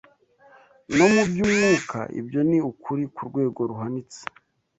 No mu by’umwuka ibyo ni ukuri ku rwego ruhanitse